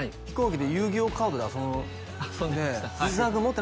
で